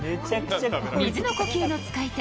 水の呼吸の使い手